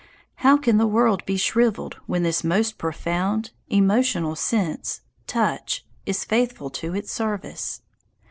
How can the world be shrivelled when this most profound, emotional sense, touch, is faithful to its service?